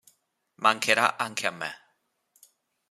Mancherà anche a me!".